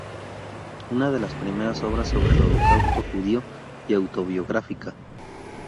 Una de las primeras obras sobre el Holocausto judío y autobiográfica.